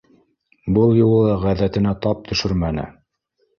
Был юлы ла ғәҙәтенә тап төшөрмәне.